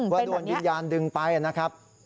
ว่าโดนวิญญาณดึงไปนะครับ